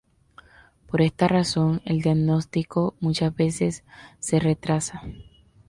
Por esta razón, el diagnóstico muchas veces se retrasa.